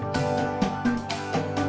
terima kasih amir